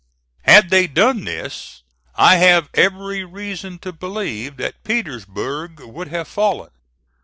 Had they done this, I have every reason to believe that Petersburg would have fallen.